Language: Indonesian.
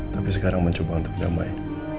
tapi sekarang mencoba untuk damai